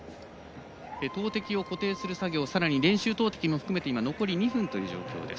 投てきを固定する作業練習投てきも含めて残り２分という状況です。